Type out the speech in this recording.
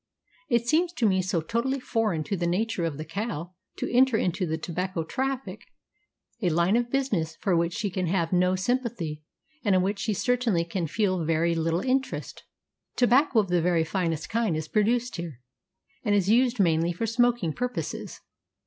It seems to me so totally foreign to the nature of the cow to enter into the tobacco traffic, a line of business for which she can have no sympathy and in which she certainly can feel very little interest. Tobacco of the very finest kind is produced here, and is used mainly for smoking purposes.